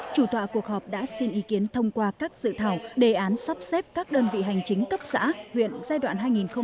chủ tọa cuộc họp đã xin ý kiến thông qua các dự thảo đề án sắp xếp các đơn vị hành chính cấp xã huyện giai đoạn hai nghìn một mươi chín hai nghìn hai mươi một